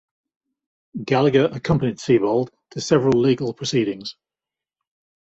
Gallagher accompanied Sebold to several legal proceedings.